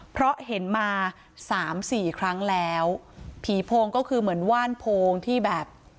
เพราะเห็นมาสามสี่ครั้งแล้วผีโพงก็คือเหมือนว่านโพงที่แบบ